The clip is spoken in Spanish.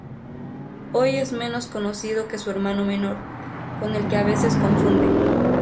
Hoy es menos conocido que su hermano menor, con el que a veces confunde.